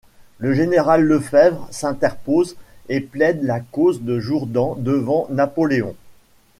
Le général Lefebvre s'interpose et plaide la cause de Jourdan devant Napoléon.